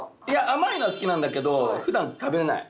甘いのは好きなんだけど普段食べない。